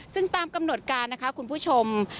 ซึ่งตามกำหนดการนะคะคุณผู้ชม